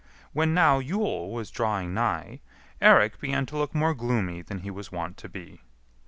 When now Yule was drawing nigh, Eirik began to look more gloomy than he was wont to be.